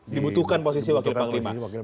dibutuhkan posisi wakil panglima